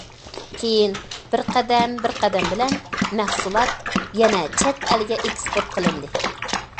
كېيىن، بىر قەدەم بىر قەدەم بىلەن، مەھسۇلات يەنە چەت ئەلگە ئېكسپورت قىلىندى.